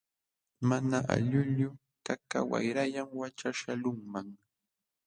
Mana aylluyuq kaqkaq wayrallam wakchaśhyaqlunman.